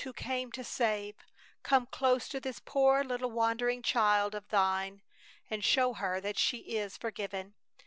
who came to save, come close to this poor little wandering child of Thine and show her that she is forgiven!